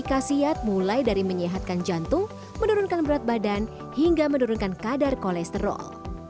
kasiat mulai dari menyehatkan jantung menurunkan berat badan hingga menurunkan kadar kolesterol